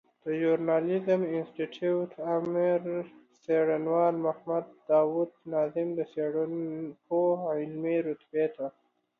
د ژورناليزم انستيتوت آمر څېړنوال محمد داود ناظم د څېړنپوه علمي رتبې ته